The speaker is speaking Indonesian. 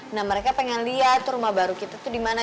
nah mereka pengen liat rumah baru kita tuh dimana